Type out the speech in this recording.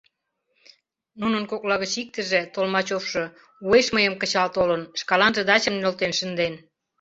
— Нунын кокла гыч иктыже, Толмачевшо, уэш мыйым кычал толын, шкаланже дачым нӧлтен шынден.